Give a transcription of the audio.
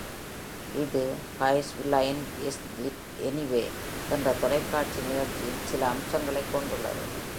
இது “whose line is it anyway?” என்ற தொலைக்காட்சி நிகழ்ச்சியின் சில அம்சங்களைக் கொண்டுள்ளது.